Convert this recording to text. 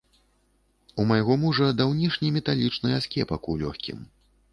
У майго мужа даўнішні металічны аскепак ў лёгкім.